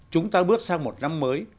chúng ta bước sang một năm mới